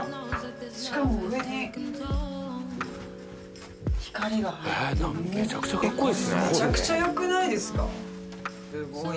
しかも上に光が入ってめちゃくちゃよくないですか？